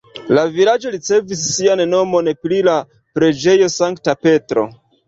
La vilaĝo ricevis sian nomon pri la preĝejo Sankta Petro.